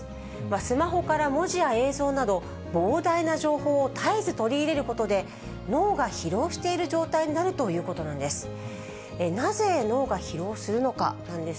スマホから文字や映像など、膨大な情報を絶えず取り入れることで、脳が疲労している状態になるということなんです。